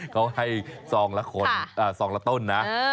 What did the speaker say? เขาให้สองละต้นนะ